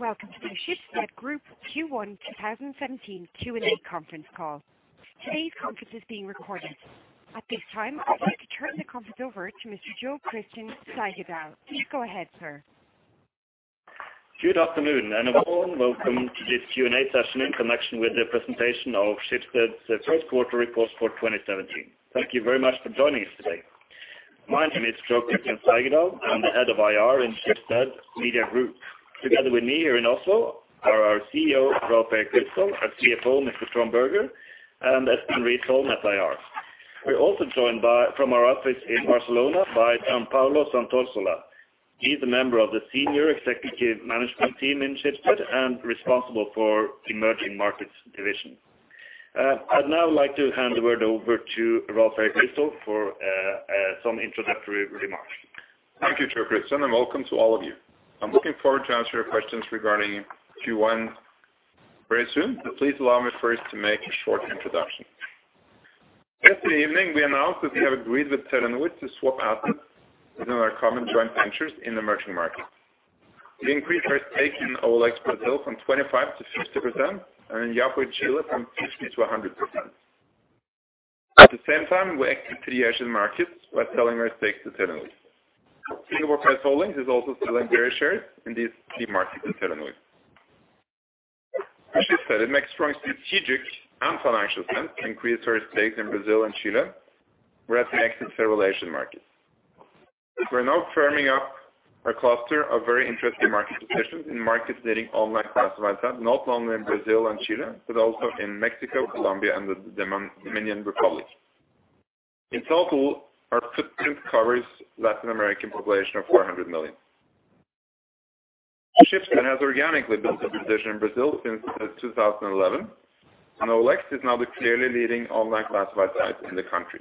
Good day, and welcome to the Schibsted Group Q1 2017 Q&A conference call. Today's conference is being recorded. At this time, I'd like to turn the conference over to Mr. Joakim Tsigdal. Please go ahead, sir. Good afternoon, a warm welcome to this Q&A session in connection with the presentation of Schibsted's first quarter reports for 2017. Thank you very much for joining us today. My name is Joakim Tsigdal. I'm the head of IR in Schibsted Media Group. Together with me here in Oslo are our CEO, Rolv Erik Ryssdal, our CFO, Mr. Trond Berger, and Espen Barth Eide at IR. We're also joined from our office in Barcelona by Gian Paolo Santorsola. He's a member of the senior executive management team in Schibsted and responsible for Emerging Markets division. I'd now like to hand the word over to Rolv Erik Ryssdal for some introductory remarks. Thank you, Joakim, and welcome to all of you. I'm looking forward to answer your questions regarding Q1 very soon, but please allow me first to make a short introduction. Yesterday evening, we announced that we have agreed with Telenor to swap assets within our common joint ventures in the merchant market. We increased our stake in OLX Brazil from 25%–50% and in Yapo in Chile from 50%–100%. At the same time, we exit the Asian markets by selling our stakes to Telenor. Singapore Press Holdings is also selling their shares in these key markets in Telenor. As Schibsted, it makes strong strategic and financial sense, increase our stakes in Brazil and Chile, whereas we exit several Asian markets. We're now firming up a cluster of very interesting market positions in markets needing online classifieds, not only in Brazil and Chile, but also in Mexico, Colombia, and the Dominican Republic. In total, our footprint covers Latin American population of 400 million. Schibsted has organically built a position in Brazil since 2011, and OLX is now the clearly leading online classified site in the country.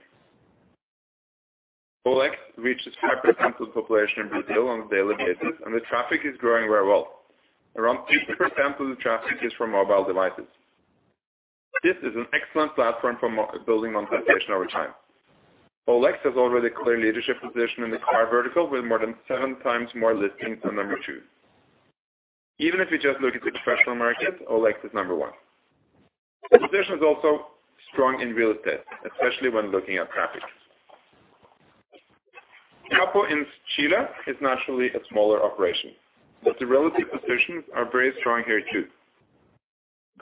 OLX reaches 5% of the population in Brazil on a daily basis, and the traffic is growing very well. Around 50% of the traffic is from mobile devices. This is an excellent platform for building on plantation over time. OLX has already a clear leadership position in the car vertical with more than 7 times more listings than number two. Even if you just look at the professional market, OLX is number one. The position is also strong in real estate, especially when looking at traffic. Yapo in Chile is naturally a smaller operation, the relative positions are very strong here, too.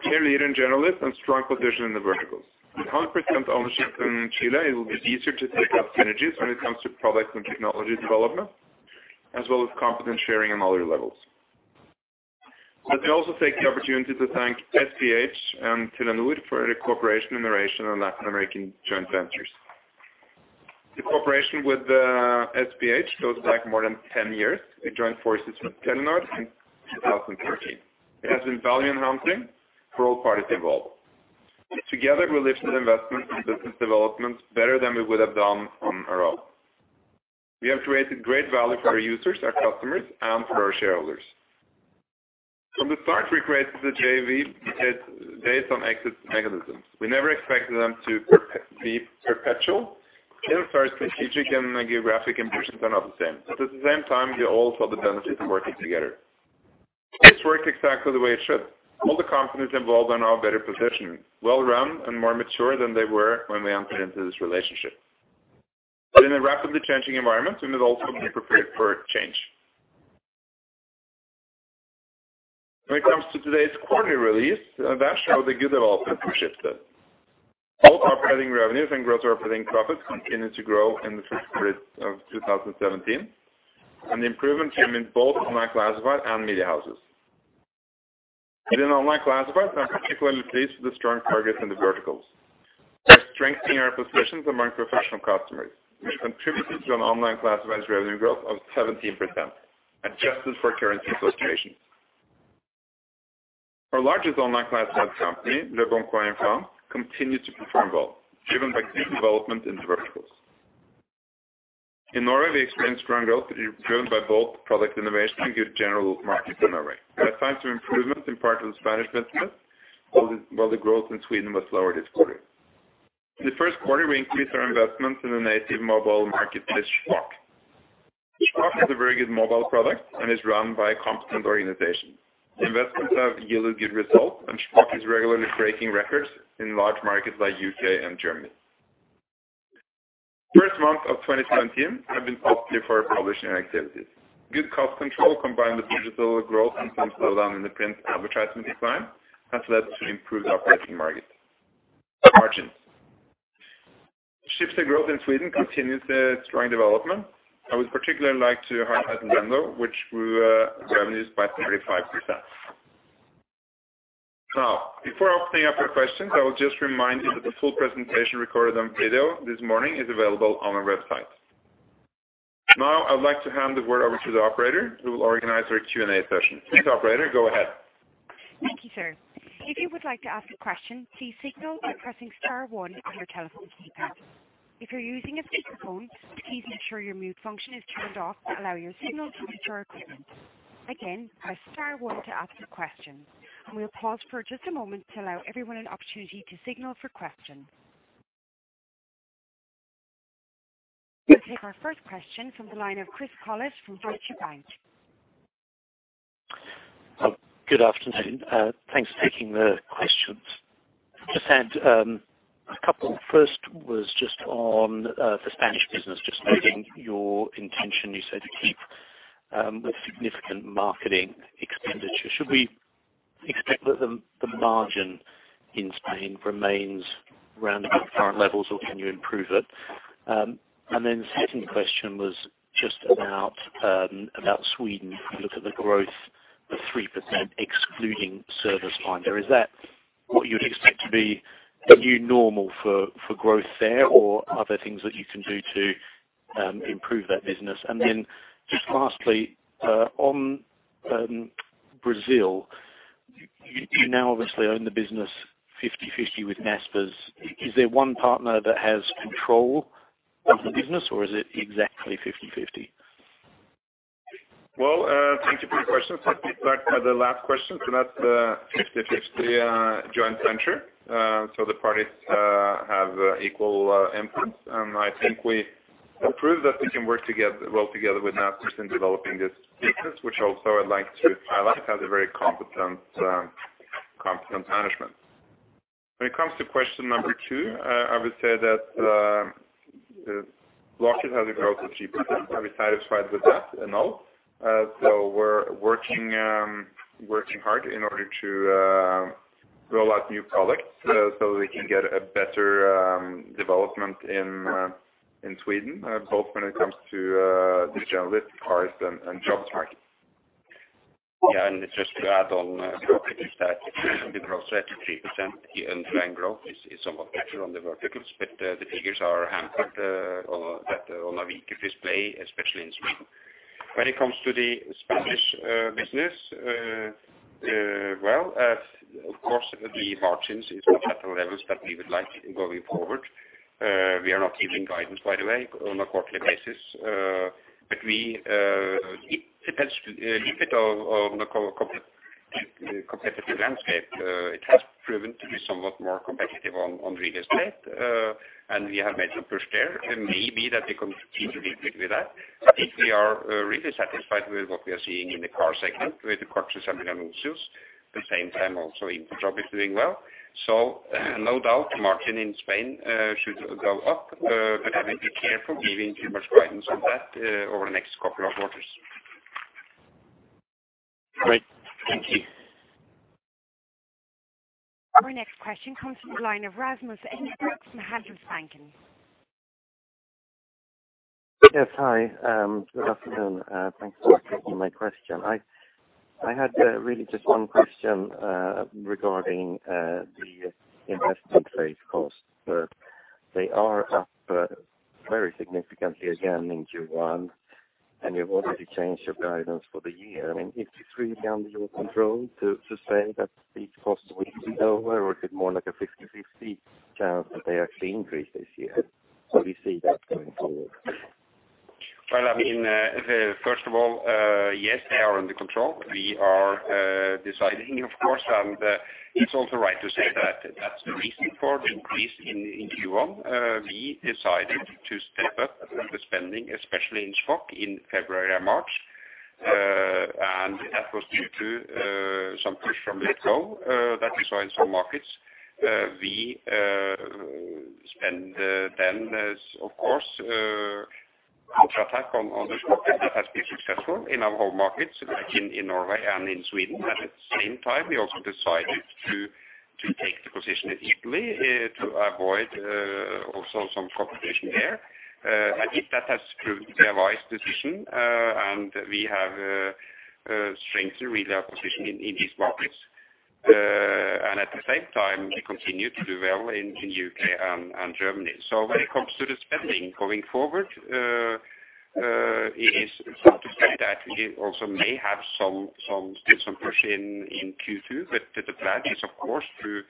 Clear leader in generalists and strong position in the verticals. With 100% ownership in Chile, it will be easier to take up synergies when it comes to products and technology development, as well as competent sharing on all other levels. Let me also take the opportunity to thank SPH and Telenor for their cooperation and innovation on Latin American joint ventures. The cooperation with SPH goes back more than 10 years. We joined forces with Telenor in 2013. It has been value-enhancing for all parties involved. Together, we lifted investment and business development better than we would have done on our own. We have created great value for our users, our customers, and for our shareholders. From the start, we created the JV based on exit mechanisms. We never expected them to be perpetual. In part, strategic and geographic ambitions are not the same. At the same time, we all saw the benefits of working together. It's worked exactly the way it should. All the companies involved are now better positioned, well-run and more mature than they were when we entered into this relationship. In a rapidly changing environment, we also need to prepare for change. When it comes to today's quarterly release, that showed a good development for Schibsted. All operating revenues and growth or operating profits continued to grow in the first quarter of 2017, the improvement came in both online classified and media houses. Within online classified, I'm particularly pleased with the strong targets in the verticals. We're strengthening our positions among professional customers, which contributed to an online classified revenue growth of 17%, adjusted for currency associations. Our largest online classified company, leboncoin in France, continued to perform well, driven by good development in the verticals. In Norway, we experienced strong growth driven by both product innovation and good general market dynamic. We had signs of improvements in part of the Spanish business, while the growth in Sweden was lower this quarter. In the first quarter, we increased our investments in the native mobile marketplace, Shpock. Shpock is a very good mobile product and is run by a competent organization. Investments have yielded good results, and Shpock is regularly breaking records in large markets like U.K. and Germany. First month of 2017 have been positive for our publishing activities. Good cost control combined with digital growth and some slowdown in the print advertisement decline has led to improved operating margins. Schibsted Growth in Sweden continues the strong development. I would particularly like to highlight Blendle, which grew revenues by 35%. Before opening up for questions, I will just remind you that the full presentation recorded on video this morning is available on our website. I would like to hand the word over to the operator, who will organize our Q&A session. Please, operator, go ahead. Thank you, sir. If you would like to ask a question, please signal by pressing star one on your telephone keypad. If you're using a speakerphone, please make sure your mute function is turned off to allow your signal to reach our equipment. Again, press star one to ask a question. We'll pause for just a moment to allow everyone an opportunity to signal for question. We'll take our first question from the line of Chris Collett from Bank. Good afternoon. Thanks for taking the questions. Just had a couple. First was just on the Spanish business. Just noting your intention, you said to keep with significant marketing expenditure. Should we expect that the margin in Spain remains around the current levels, or can you improve it? Second question was just about Sweden. If you look at the growth of 3% excluding Servicefinder, is that what you'd expect to be a new normal for growth there, or are there things that you can do to improve that business? Lastly, on Brazil, you now obviously own the business 50/50 with Naspers. Is there one partner that has control of the business, or is it exactly 50/50? Well, thank you for your question. Let me start by the last question, so that's the 50/50 joint venture. The parties have equal input. I think we have proved that we can work well together with Naspers in developing this business, which also I'd like to highlight, has a very competent management. When it comes to question number 2, I would say that Blocket has developed 3%. I was satisfied with that and all. We're working hard in order to roll out new products, so we can get a better development in Sweden, both when it comes to the generalist cars and job market. Yeah, just to add on, Blocket is that we grow at 3%, and plan growth is somewhat better on the verticals. The figures are hampered on a weaker display, especially in Sweden. When it comes to the Spanish business, well, of course, the margins is not at the levels that we would like going forward. We are not giving guidance by the way, on a quarterly basis. We depends, a little bit of the competitive landscape, it has proven to be somewhat more competitive on real estate. We have made a push there. It may be that we continue to be big with that. I think we are really satisfied with what we are seeing in the car segment with the CocheSeminuevos. At the same time also InfoJobs is doing well. No doubt the margin in Spain, should go up, I will be careful giving too much guidance on that, over the next couple of quarters. Great. Thank you. Our next question comes from the line of Rasmus Edgar from Handelsbanken. Yes. Hi, good afternoon. Thanks for taking my question. I had really just one question regarding the investment phase cost. They are up very significantly again in Q1. You've already changed your guidance for the year. I mean, is this really under your control to say that these costs will go where or is it more like a 50-50 chance that they actually increase this year? How do you see that going forward? Well, I mean, first of all, yes, they are under control. We are deciding, of course, it's also right to say that that's the reason for the increase in Q1. We decided to step up the spending, especially in Shpock in February and March. That was due to some push from Letgo that we saw in some markets. We spend as of course, contract on the stock market that has been successful in our home markets, in Norway and in Sweden. At the same time, we also decided to take the position in Italy to avoid also some competition there. I think that has proved to be a wise decision, we have strengthened really our position in these markets. At the same time, we continue to do well in U.K. and Germany. When it comes to the spending going forward, it is fair to say that we also may have still some push in Q2, but the plan is of course to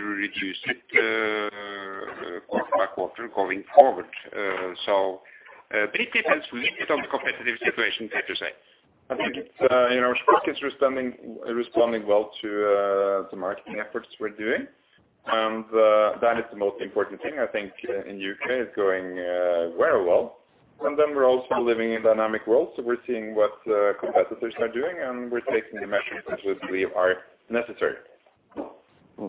reduce it, quarter by quarter going forward. But it depends with some competitive situation, fair to say. I think it's, you know, Shpock is responding well to the marketing efforts we're doing, and that is the most important thing I think, in U.K. is going very well. We're also living in dynamic world. We're seeing what competitors are doing, and we're taking the measures which we believe are necessary. Mm-hmm.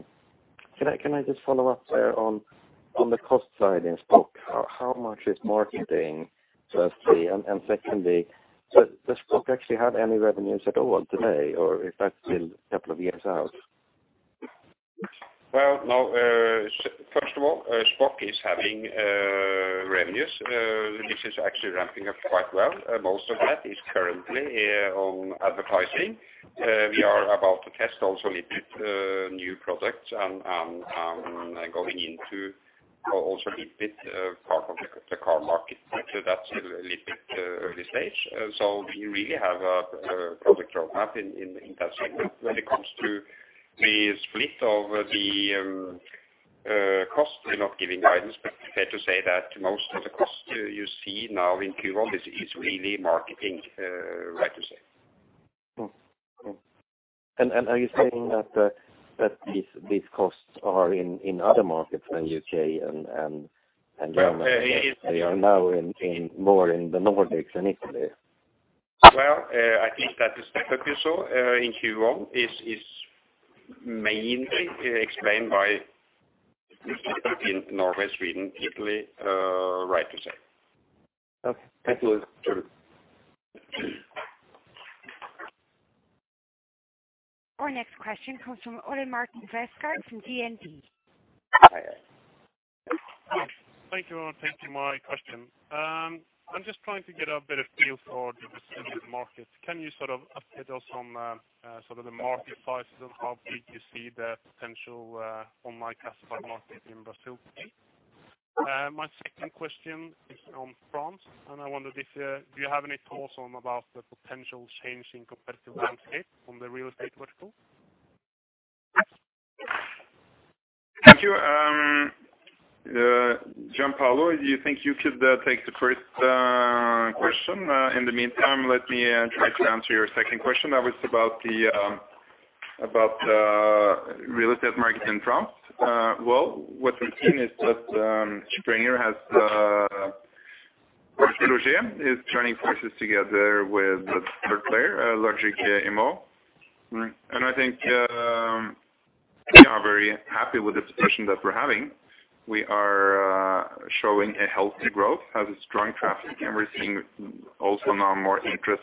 Can I just follow up there on the cost side in Shpock? How much is marketing, firstly? Secondly, does Shpock actually have any revenues at all today, or is that still a couple of years out? Well, no. First of all, Shpock is having revenues. This is actually ramping up quite well, and most of that is currently on advertising. We are about to test also a little bit new products and going into also a little bit part of the car market. That's a little bit early stage. We really have a product roadmap in that segment. When it comes to the split of the cost, we're not giving guidance. Fair to say that most of the cost you see now in Q1 is really marketing, I have to say. Are you saying that these costs are in other markets than U.K. and Germany? They are now in more in the Nordics and Italy. Well, I think that the step up you saw in Q1 is mainly explained by in Norway, Sweden, Italy, right to save. Okay. That was true. Our next question comes from Ole Martin Westgaard from DNB. Yes. Thank you. Thank you for my question. I'm just trying to get a bit of feel for the Brazilian market. Can you sort of update us on the sort of the market size and how big you see the potential online classified market in Brazil? My second question is on France. I wondered if do you have any thoughts on about the potential change in competitive landscape on the real estate vertical? Thank you. Gian Paolo, do you think you could take the first question? In the meantime, let me try to answer your second question. That was about the real estate market in France. Well, what we've seen is that Springer has Artus joining forces together with a third player, Logic-Immo. I think we are very happy with the discussion that we're having. We are showing a healthy growth, has a strong traffic, and we're seeing also now more interest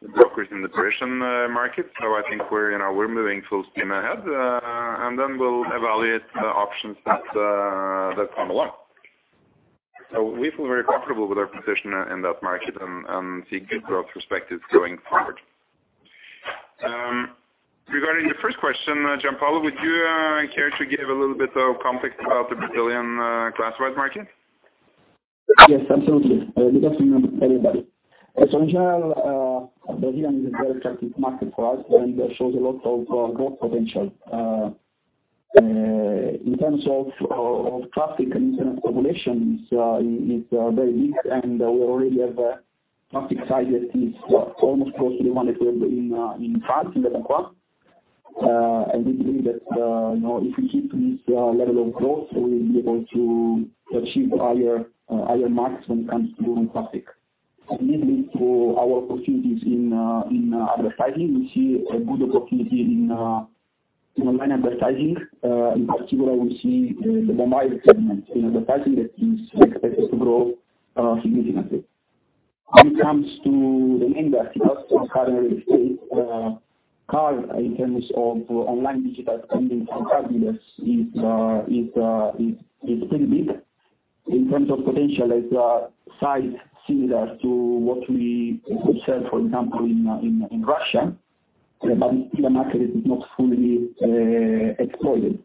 from brokers in the Parisian market. I think we're, you know, we're moving full steam ahead and then we'll evaluate the options that come along. We feel very comfortable with our position in that market and see good growth perspectives going forward. Regarding the first question, Gian Paolo, would you care to give a little bit of context about the Brazilian classified market? Yes, absolutely. Good afternoon, everybody. In general, Brazilian is a very attractive market for us, and it shows a lot of growth potential in terms of traffic and internet populations is very big, and we already have a traffic size that is, what, almost close to the one that we have in France in leboncoin. We believe that, you know, if we keep this level of growth, we'll be able to achieve higher marks when it comes to growing traffic. This leads to our opportunities in advertising. We see a good opportunity in online advertising. In particular, we see the mild segment in advertising that is expected to grow significantly. When it comes to the main verticals of car and real estate, car in terms of online digital spending from car dealers is pretty big. In terms of potential, it's a size similar to what we observe, for example, in Russia, but it's still a market that is not fully exploited.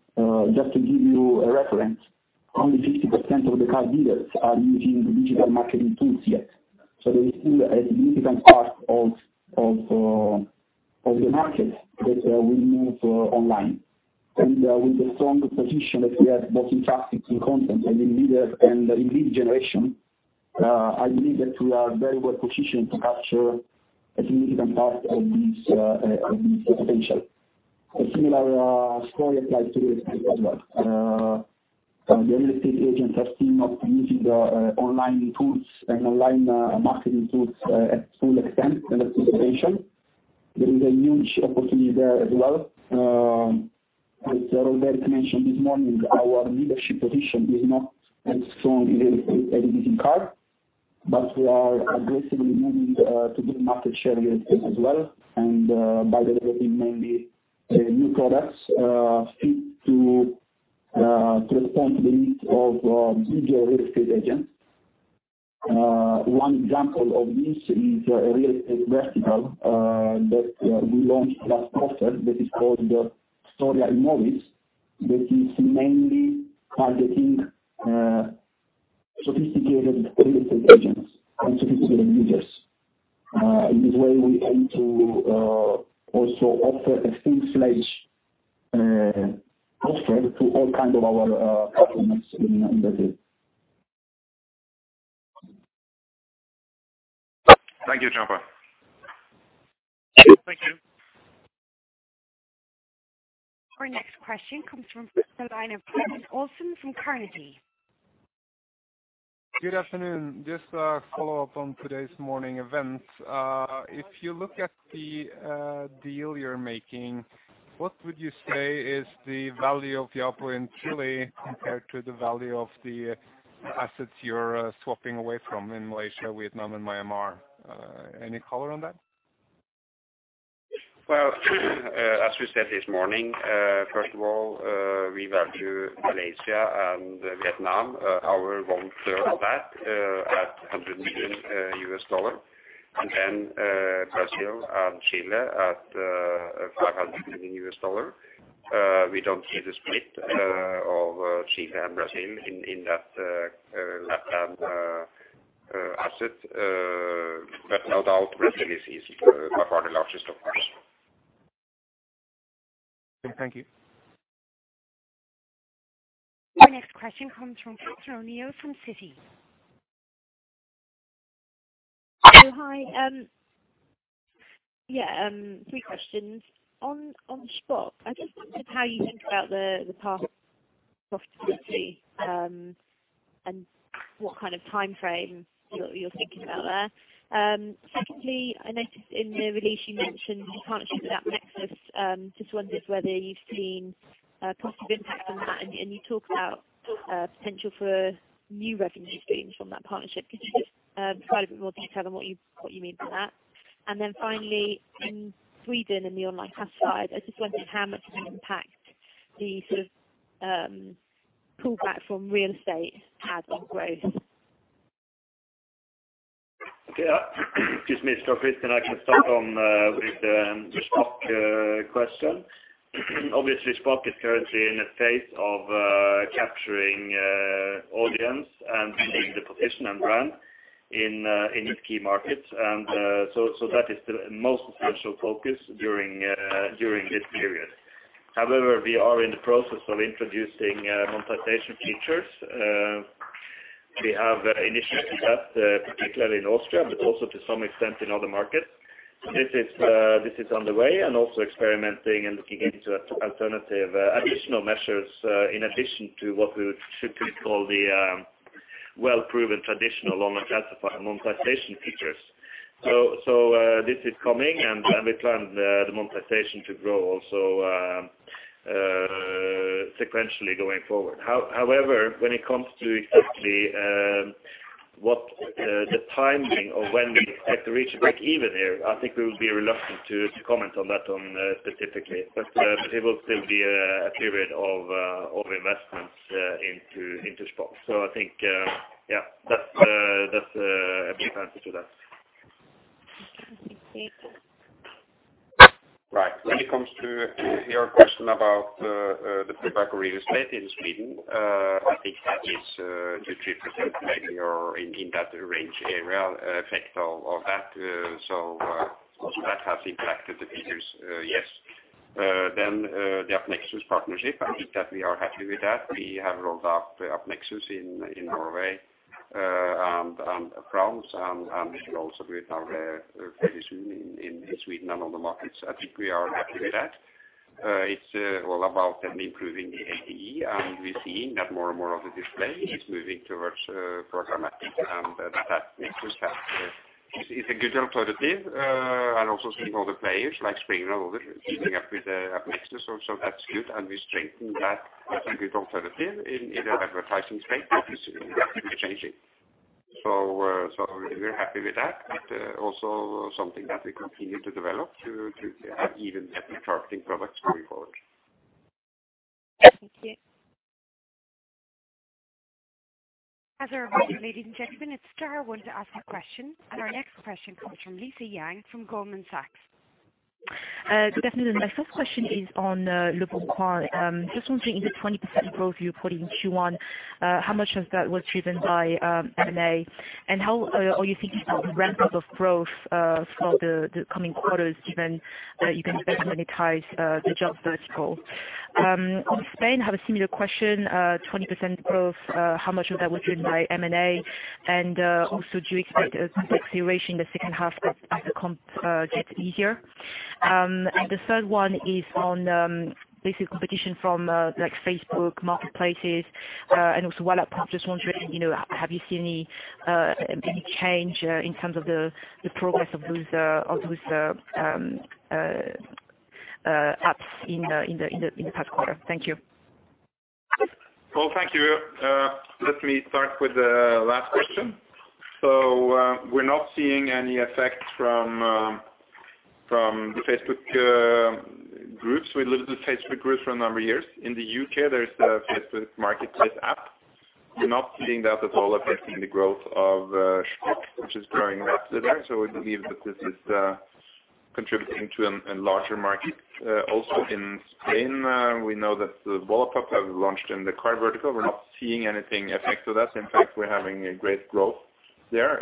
Just to give you a reference, only 50% of the car dealers are using digital marketing tools yet. There is still a significant part of the market that will move online. With the stronger position that we have, both in traffic and content and in lead generation, I believe that we are very well positioned to capture a significant part of this, of this potential. A similar story applies to real estate as well. Some of the real estate agents have seen of using the online tools and online marketing tools at full extent and at full potential. There is a huge opportunity there as well. As Robert mentioned this morning, our leadership position is not as strong as it is in car, but we are aggressively moving to gain market share here as well. By delivering mainly new products fit to respond to the needs of digital real estate agents. One example of this is a real estate vertical that we launched last quarter that is called the Soria & Morice, that is mainly targeting sophisticated real estate agents and sophisticated leaders. In this way, we aim to also offer a full-fledged offering to all kind of our customers in Brazil. Thank you, Gian Paolo. Thank you. Our next question comes from the line of Claes Olsson from Carnegie. Good afternoon. Just a follow-up on today's morning events. If you look at the deal you're making, what would you say is the value of Yahoo in Chile compared to the value of the assets you're swapping away from in Malaysia, Vietnam and Myanmar? Any color on that? Well, as we said this morning, first of all, we value Malaysia and Vietnam, our want of that at $100 million. Then Brazil and Chile at $500 million. We don't see the split of Chile and Brazil in that asset. No doubt, Brazil is by far the largest of the two. Thank you. The next question comes from Catherine O'Neill from Citi. Oh, hi. Yeah, three questions. On Shpock, I just wondered how you think about the path profitability and what kind of timeframe you're thinking about there. Secondly, I noticed in the release you mentioned the partnership with AppNexus. Just wondered whether you've seen a positive impact on that. You talked about potential for new revenue streams from that partnership. Could you just provide a bit more detail on what you mean by that? Finally, in Sweden, in the online classifieds, I just wondered how much of an impact the sort of pullback from real estate had on growth. Excuse me. Christine, I can start with the Shpock question. Obviously, Shpock is currently in a phase of capturing audience and building the position and brand in its key markets. That is the most commercial focus during this period. However, we are in the process of introducing monetization features. We have initiatives with that, particularly in Austria but also to some extent in other markets. This is on the way, and also experimenting and looking into alternative additional measures, in addition to what we would typically call the well-proven traditional online classified monetization features. This is coming, and we plan the monetization to grow also sequentially going forward. However, when it comes to exactly what, the timing of when we expect to reach a break even here, I think we would be reluctant to comment on that on specifically. It will still be a period of investments into Shpock. I think, yeah, that's a brief answer to that. Okay. Thank you. Right. When it comes to your question about the pullback of real estate in Sweden, I think that is 2%–3% maybe or in that range area, effect of that. That has impacted the figures, yes. The AppNexus partnership, I think that we are happy with that. We have rolled out AppNexus in Norway and France and we should also do it now very soon in Sweden and other markets. I think we are happy with that. It's all about them improving the APE, and we're seeing that more and more of the display is moving towards programmatic and that AppNexus has is a good alternative. And also seeing all the players like Spring and others teaming up with AppNexus also. That's good. We strengthen that as a good alternative in an advertising space that is, that is changing. We're happy with that, also something that we continue to develop to have even better targeting products going forward. Thank you. As a reminder, ladies and gentlemen, it's star one to ask a question. Our next question comes from Lisa Yang from Goldman Sachs. Good afternoon. My first question is on leboncoin. Just wondering in the 20% growth you put in Q1, how much of that was driven by M&A, and how are you thinking about the ramp-up of growth for the coming quarters, given that you can better monetize the jobs vertical? On Spain, I have a similar question. 20% growth, how much of that was driven by M&A? Also, do you expect some acceleration in the second half as the comp gets easier? The third one is on basically competition from like Facebook Marketplace and also Wallapop. Just wondering, you know, have you seen any change in terms of the progress of those apps in the past quarter? Thank you. Well, thank you. Let me start with the last question. We're not seeing any effect from the Facebook groups. We've lived with Facebook groups for a number of years. In the U.K., there's the Facebook Marketplace app. We're not seeing that at all affecting the growth of Shpock, which is growing rapidly. We believe that this is contributing to a larger market. Also in Spain, we know that Wallapop have launched in the car vertical. We're not seeing anything effect of that. In fact, we're having a great growth there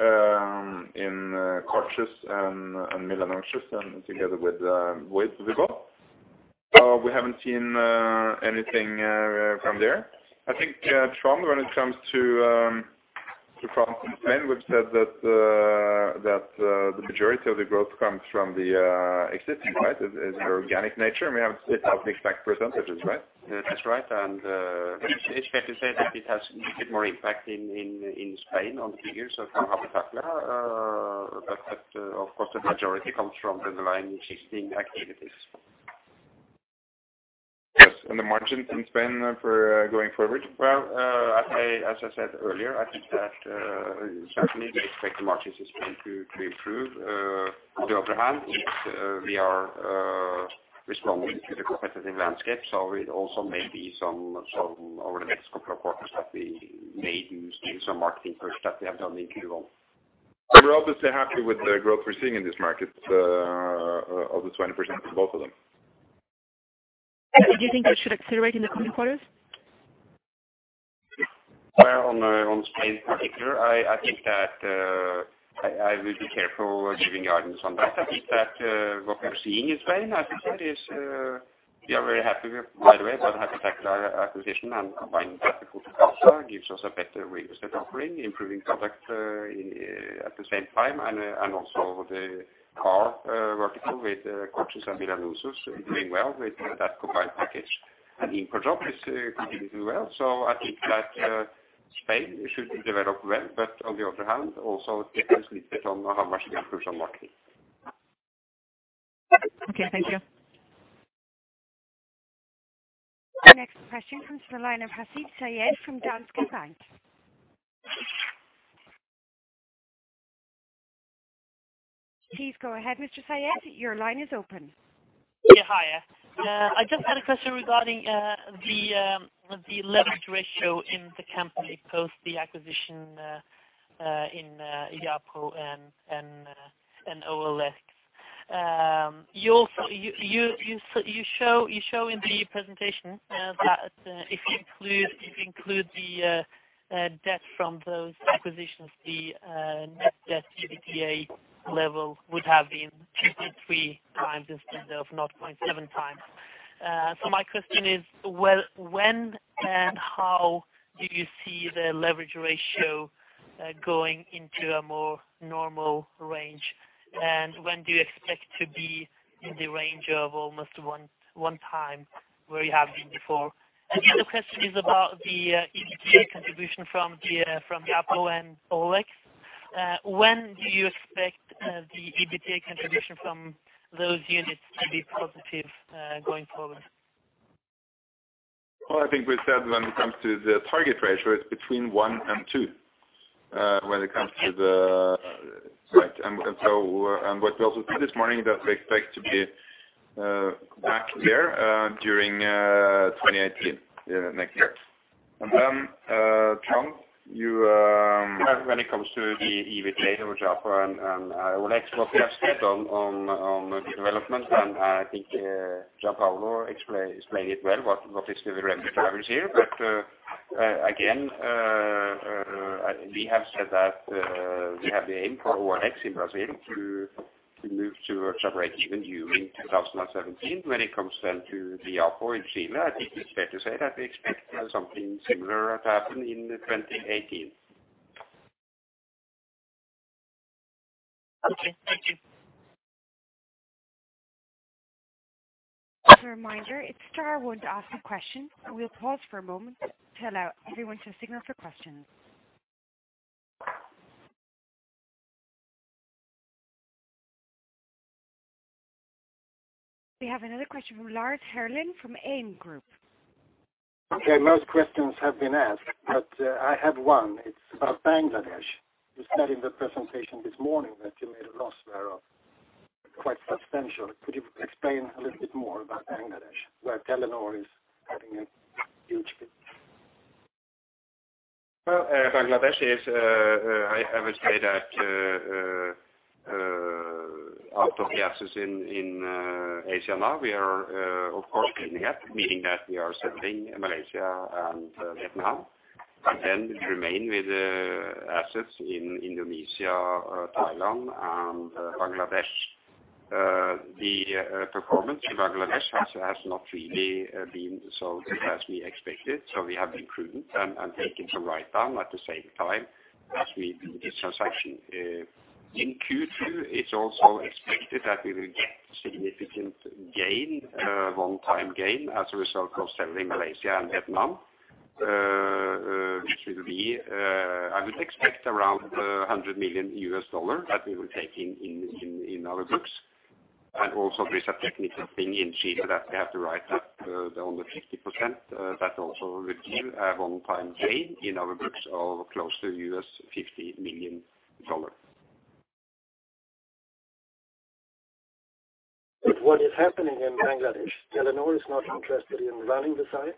in cars and Milanuncios and together with Vibbo. We haven't seen anything from there. I think, from when it comes to France and Spain, we've said that the majority of the growth comes from the existing, right? Is organic nature, and we have a certain %, which is right. That's right. It's fair to say that it has a little bit more impact in Spain on figures of Habitaclia, but that of course the majority comes from the underlying existing activities. Yes. The margin in Spain for going forward? Well, I, as I said earlier, I think that, certainly we expect the margins in Spain to improve. On the other hand, it's, we are, responding to the competitive landscape. It also may be some over the next couple of quarters that we may lose some marketing push that we have done in Q1. We're obviously happy with the growth we're seeing in these markets, of the 20% in both of them. Do you think it should accelerate in the coming quarters? On Spain in particular, I think that I will be careful giving guidance on that. I think that what we're seeing in Spain, I think that is, we are very happy with, by the way, about the Habitaclia acquisition and combining that with Fotocasa gives us a better real estate offering, improving product at the same time, and also the car vertical with Coches.net and Milanuncios doing well with that combined package. InfoJobs is continuing to do well. I think that Spain should develop well, but on the other hand, also it depends a little bit on how much we improve on marketing. Okay, thank you. The next question comes from the line of Haseeb Syed from Danske Bank. Please go ahead, Mr. Syed. Your line is open. Hi. I just had a question regarding the leverage ratio in the company post the acquisition in Yapo and OLX. You show in the presentation that if you include the debt from those acquisitions, the net debt EBITDA level would have been 53 times instead of 0.7 times. My question is, well, when and how do you see the leverage ratio going into a more normal range? When do you expect to be in the range of almost 1 time where you have been before? The other question is about the EBITDA contribution from the from Yapo and OLX. When do you expect the EBITDA contribution from those units to be positive going forward? Well, I think we said when it comes to the target ratio, it's between one and two. What we also said this morning is that we expect to be back there during 2018 next year. When it comes to the EBITDA with Yapo and OLX, what we have said on the development, and I think Gian Paolo explained it well, what is the revenue drivers here. Again, we have said that we have the aim for OLX in Brazil to move to a break-even during 2017. When it comes then to the Yapo in Chile, I think it's fair to say that we expect something similar to happen in 2018. Okay, thank you. As a reminder, it's star one to ask a question. We'll pause for a moment to allow everyone to signal for questions. We have another question from Lars Herlin from AIM Group. Okay, most questions have been asked, I have one. It's about Bangladesh. You said in the presentation this morning that you made a loss thereof, quite substantial. Could you explain a little bit more about Bangladesh, where Telenor is having a huge business? Bangladesh is, I would say that, out of the assets in Asia now, we are, of course, cleaning up, meaning that we are selling Malaysia and Vietnam and then remain with the assets in Indonesia, Thailand and Bangladesh. The performance in Bangladesh has not really been so good as we expected. We have been prudent and taking some write-down at the same time as we do this transaction. In Q2, it's also expected that we will get significant gain, one-time gain as a result of selling Malaysia and Vietnam. Which will be, I would expect around $100 million that we will take in our books. Also there's a technical thing in Chile that we have to write up, only 50%. That also would give a one-time gain in our books of close to $50 million. What is happening in Bangladesh? Telenor is not interested in running the site?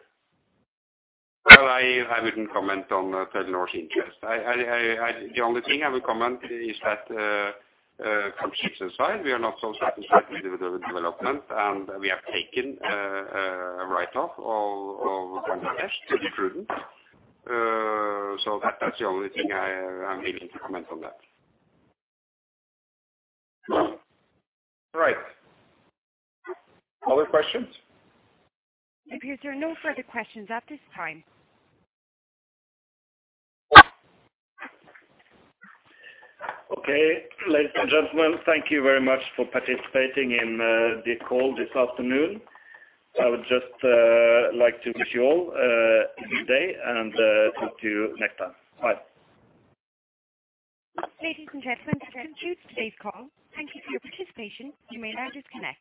Well, I wouldn't comment on Telenor's interest. The only thing I will comment is that, come to think of it as well, we are not so satisfied with the development, and we have taken a write-off of Bangladesh to be prudent. That's the only thing I'm able to comment on that. Right. Other questions? It appears there are no further questions at this time. Okay. Ladies and gentlemen, thank you very much for participating in the call this afternoon. I would just like to wish you all a good day and talk to you next time. Bye. Ladies and gentlemen, that concludes today's call. Thank you for your participation. You may now disconnect.